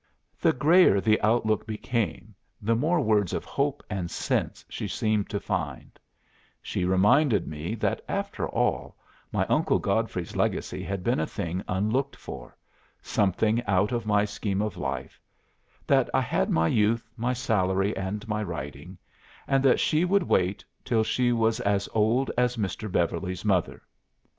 The grayer the outlook became, the more words of hope and sense she seemed to find She reminded me that, after all my Uncle Godfrey's legacy had been a thing unlooked for, something out of my scheme of life that I had my youth, my salary and my writing; and that she would wait till she was as old at Mr. Beverly's mother."